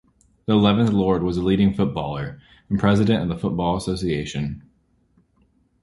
The eleventh Lord was a leading footballer and President of The Football Association.